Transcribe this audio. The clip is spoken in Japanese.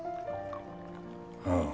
ああ。